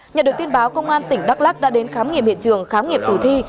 nhận được tin báo công an tỉnh đắk lắc đã đến khám nghiệm hiện trường khám nghiệm tử thi